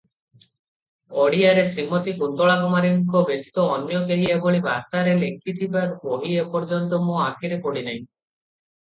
ଓଡ଼ିଆରେ ଶ୍ରୀମତୀ କୁନ୍ତଳା କୁମାରୀଙ୍କ ବ୍ୟତୀତ ଅନ୍ୟ କେହି ଏଭଳି ଭାଷାରେ ଲେଖିଥିବା ବହି ଏପର୍ଯ୍ୟନ୍ତ ମୋ ଆଖିରେ ପଡ଼ିନାହିଁ ।